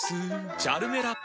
「チャルメラ」！